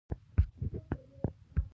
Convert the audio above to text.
دغه انتظار ډېر اوږد نه شو